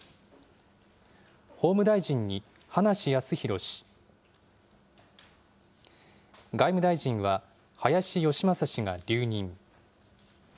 法務大臣に葉梨康弘氏、外務大臣は林芳正氏が留任。